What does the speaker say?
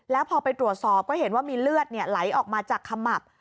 แล้วพอไปตรวจสอบก็เห็นว่ามีเลือดไหลออกมาจากขมับ